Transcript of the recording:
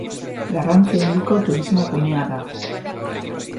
Garrantzi handiko turismo gunea da.